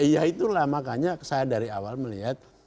ya itulah makanya saya dari awal melihat